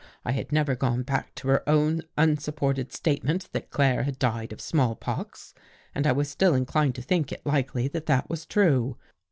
I had never gone back of her own unsupported statement that Claire had died of small pox and I was still inclined to think it likely that that was true.